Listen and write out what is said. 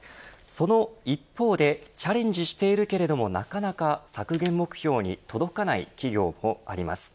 その一方でチャレンジしているけれどもなかなか削減目標に届かない企業もあります。